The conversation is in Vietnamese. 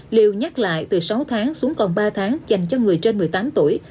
liều nhắc lại từ sáu tháng xuống còn ba tháng dành cho người trên một mươi tám tuổi